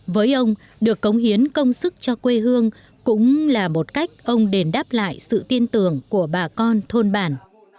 với ông được cống hiến công sức cho quê hương cũng là một cách ông đền đáp lại sự tin tưởng của bà con thôn bản